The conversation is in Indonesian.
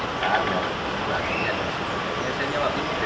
masyarakat negara di majap kepala negara di indonesia